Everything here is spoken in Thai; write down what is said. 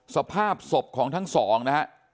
สภาพศพของทั้งสองนะฮะ